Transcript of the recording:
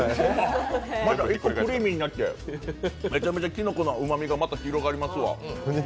また結構クリーミーになって、めちゃめちゃキノコのうまみが広がりますわ。